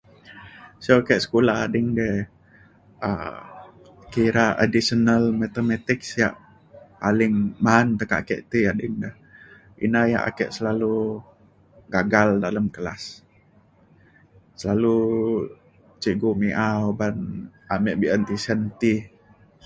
sio ke sekula ading de um kira additional mathematics yak paling ma’an tekak ake ti ading da ina yak ake selalu gagal dalem kelas selalu cikgu mi’a uban ame be’un tisen ti